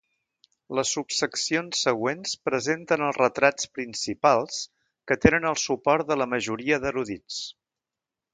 Les subseccions següents presenten els retrats principals que tenen el suport de la majoria d'erudits.